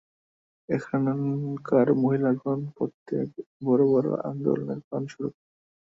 এখানকার মহিলাগণ প্রত্যেকে বড় বড় আন্দোলনের প্রাণস্বরূপ।